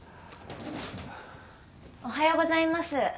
おはようございます。